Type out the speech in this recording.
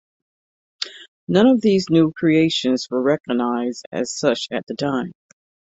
None of these new creations were recognised as such at the time.